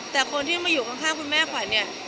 แต่คนที่มาอยู่ข้างคุณแม่ขวัญเนี่ย